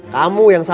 kamu yang sedih